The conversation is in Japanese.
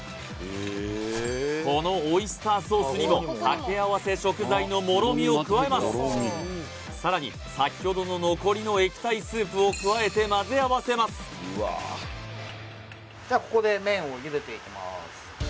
このオイスターソースにも掛け合わせ食材のもろみを加えますさらにさきほどの残りの液体スープを加えてまぜあわせますさあ